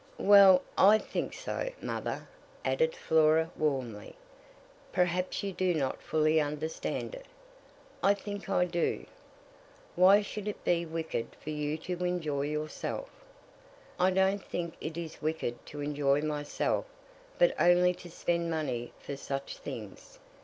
"Well, I think so, mother," added Flora, warmly. "Perhaps you do not fully understand it." "I think I do." "Why should it be wicked for you to enjoy yourself?" "I don't think it is wicked to enjoy myself, but only to spend money for such things.